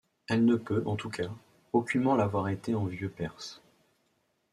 Elle ne peut, en tout cas, aucunement l'avoir été en vieux perse.